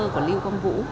của lưu quang vũ